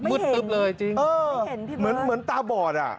ไม่เห็นไม่เห็นที่มืดเออเหมือนตาบอด